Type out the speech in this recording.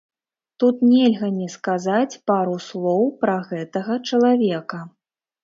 Тут нельга не сказаць пару слоў пра гэтага чалавека.